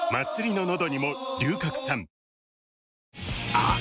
あっ